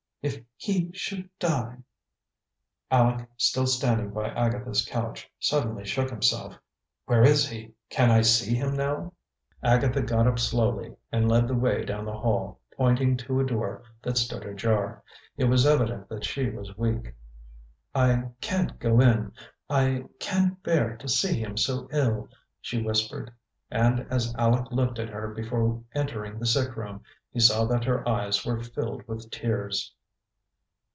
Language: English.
"If he should die !" Aleck, still standing by Agatha's couch, suddenly shook himself. "Where is he? Can I see him now?" Agatha got up slowly and led the way down the hall, pointing to a door that stood ajar. It was evident that she was weak. "I can't go in I can't bear to see him so ill," she whispered; and as Aleck looked at her before entering the sick room, he saw that her eyes were filled with tears.